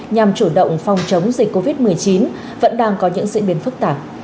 nhằm chủ động phòng chống dịch covid một mươi chín vẫn đang có những diễn biến phức tạp